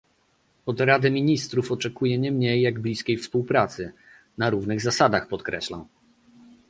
Od Rady Ministrów oczekuję nie mniej jak bliskiej współpracy, na równych zasadach - podkreślę